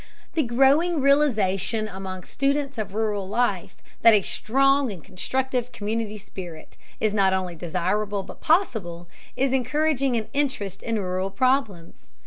The growing realization among students of rural life that a strong and constructive community spirit is not only desirable but possible, is encouraging an interest in rural problems.